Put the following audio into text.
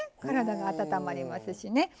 体が温まりますしね。